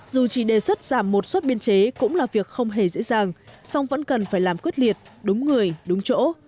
dù chỉ đề xuất giảm một suất biên chế cũng là việc không hề dễ dàng song vẫn cần phải làm quyết liệt đúng người đúng chỗ